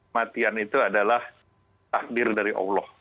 matian itu adalah takdir dari allah